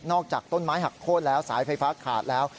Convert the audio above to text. จากต้นไม้หักโค้นแล้วสายไฟฟ้าขาดแล้ว